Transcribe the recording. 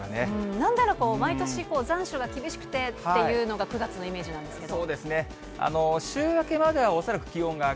なんなら、毎年、残暑が厳しくてっていうのが、９月のイメージなんですけれども。